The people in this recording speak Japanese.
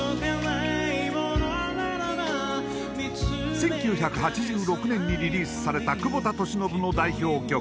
１９８６年にリリースされた久保田利伸の代表曲。